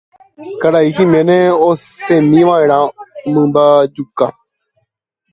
Karai Giménez osẽmiva'erã omymbajuka.